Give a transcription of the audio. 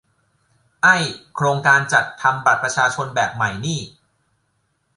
ไอ้ "โครงการจัดทำบัตรประชาชนแบบใหม่" นี่